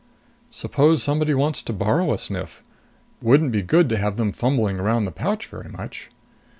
"Suppose somebody wants to borrow a sniff? Wouldn't be good to have them fumbling around the pouch very much!"